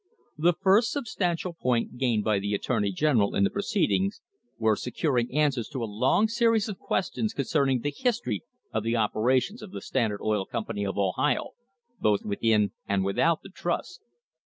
The first substantial point gained by the attorney general in the proceedings was securing answers to a long series of questions concerning the history of the operations of the Stand ard Oil Company of Ohio, both within and without the trust.